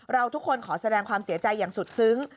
เราทุกคนขอแสดงความเสียใจอย่างสุดซึ้ง